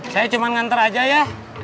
saya ngantar aja ya